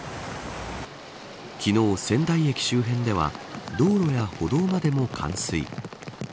昨日、仙台駅周辺では道路や歩道までも冠水。